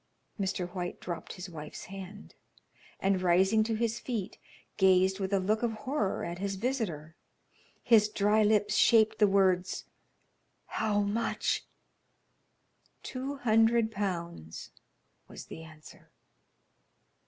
Mr. White dropped his wife's hand, and rising to his feet, gazed with a look of horror at his visitor. His dry lips shaped the words, "How much?" "Two hundred pounds," was the answer.